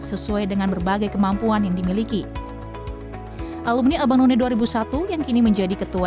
sesuai dengan berbagai kemampuan yang dimiliki alumni abang none dua ribu satu yang kini menjadi ketua